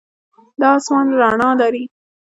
دا آسمان رڼا لري.